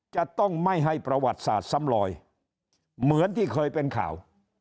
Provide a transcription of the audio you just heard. จะต้องไม่ให้ประวัติศาสตร์ซ้ำลอยเหมือนที่เคยเป็นข่าว